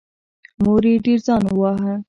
مور یې ډېر ځان وواهه.